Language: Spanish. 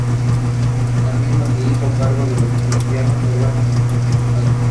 En la misma se hizo cargo de los pianos, órganos y sintetizadores.